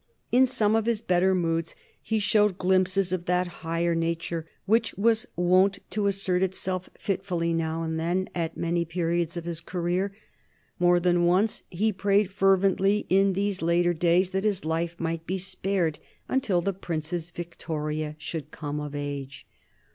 In some of his better moods he showed glimpses of that higher nature which was wont to assert itself fitfully now and then at many periods of his career. More than once he prayed fervently in these later days that his life might be spared until the Princess Victoria should come of age.